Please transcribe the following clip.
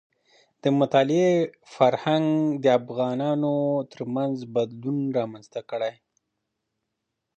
د مطالعې فرهنګ د افغانانو ترمنځ بدلون رامنځته کړي.